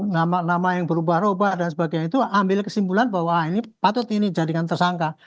nama nama yang berubah ubah dan sebagainya itu ambil kesimpulan bahwa ini patut ini jadikan tersangka